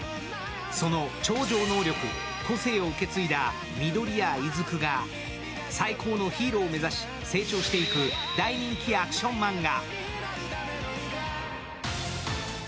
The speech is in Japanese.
その超常能力、個性を受け継いだ緑谷出久が最高のヒーローを目指し成長していく大人気アクションマンガ。